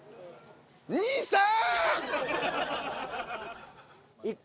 兄さん！